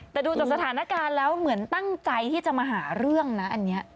แต่ดูจากสถานการณ์แล้วเหมือนตั้งใจที่จะมาหาเรื่องนะอันนี้